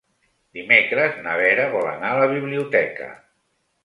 Dimecres na Vera vol anar a la biblioteca.